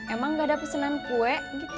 emang gak ada pesenan kue